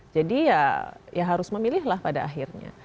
jadi ya harus memilih lah pada akhirnya